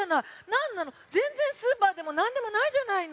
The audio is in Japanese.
なんなのぜんぜんスーパーでもなんでもないじゃないの！